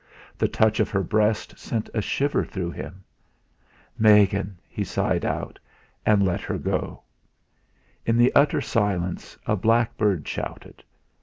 The touch of her breast sent a shiver through him. "Megan!" he sighed out, and let her go. In the utter silence a blackbird shouted.